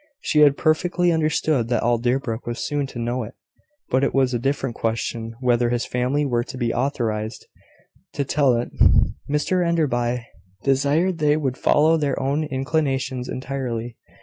He had perfectly understood that all Deerbrook was soon to know it; but it was a different question whether his family were to be authorised to tell it. Mr Enderby desired they would follow their own inclinations entirely.